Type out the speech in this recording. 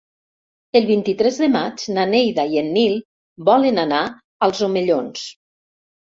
El vint-i-tres de maig na Neida i en Nil volen anar als Omellons.